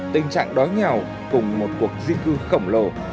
tình trạng đói nghèo cùng một cuộc di cư khổng lồ